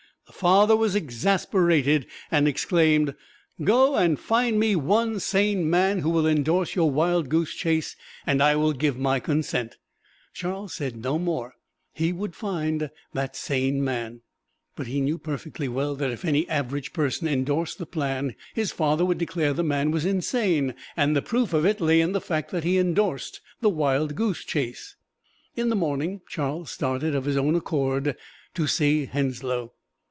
The father was exasperated and exclaimed, "Go and find me one sane man who will endorse your wild goose chase and I will give my consent." Charles said no more he would find that "sane man." But he knew perfectly well that if any average person endorsed the plan his father would declare the man was insane, and the proof of it lay in the fact that he endorsed the wild goose chase. In the morning Charles started of his own accord to see Henslow.